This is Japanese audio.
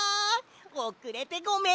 おくれてごめん！